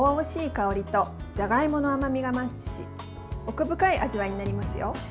香りとじゃがいもの甘みがマッチし奥深い味わいになりますよ。